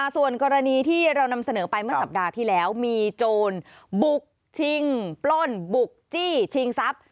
ส่วนกรณีที่เรานำเสนอไปเมื่อสัปดาห์ที่แล้วมีโจรบุกชิงปล้นบุกจี้ชิงทรัพย์